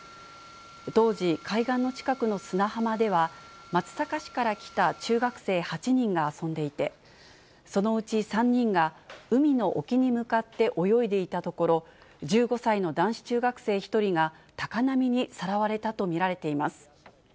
当時、海岸の近くの砂浜では、松阪市から来た中学生８人が遊んでいて、そのうち３人が、海の沖に向かって泳いでいたところ、１５歳の男子中学生１人が高波にさらわれたと見られています。